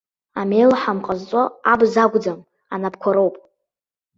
Амелҳам ҟазҵо абз акәӡам, анапқәа роуп!